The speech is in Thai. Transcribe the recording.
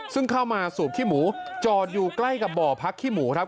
ซึ่งเข้ามาสูบขี้หมูจอดอยู่ใกล้กับบ่อพักขี้หมูครับ